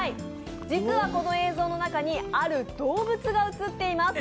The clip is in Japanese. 実はこの映像の中にある動物が映っています。